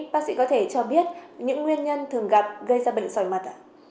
bác sĩ có thể cho biết những nguyên nhân thường gặp gây ra bệnh sỏi mặt ạ